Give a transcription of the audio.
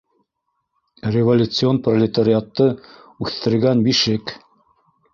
Революцион пролетариатты үҫтергән бишек.